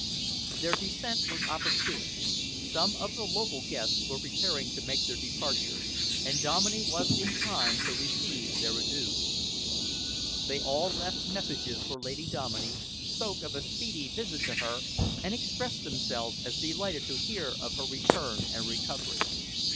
Their descent was opportune. Some of the local guests were preparing to make their departure, and Dominey was in time to receive their adieux. They all left messages for Lady Dominey, spoke of a speedy visit to her, and expressed themselves as delighted to hear of her return and recovery.